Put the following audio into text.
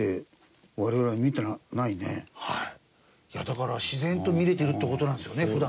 だから自然と見れてるって事なんですよね普段ね。